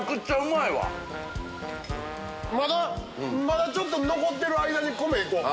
まだまだちょっと残ってる間に米行こう。